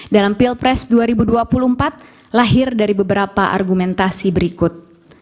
dalam pilpres dua ribu dua puluh empat lahir dari beberapa argumentasi berikut